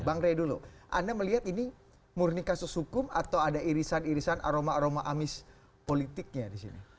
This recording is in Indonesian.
bang rey dulu anda melihat ini murni kasus hukum atau ada irisan irisan aroma aroma amis politiknya di sini